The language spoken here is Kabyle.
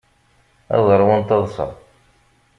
Ad ṛwun taḍṣa.